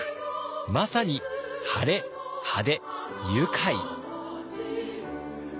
まさにハレ・派手・愉快！